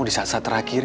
di saat saat terakhir